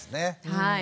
はい。